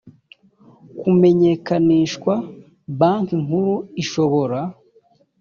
kumenyekanishwa Banki Nkuru ishobora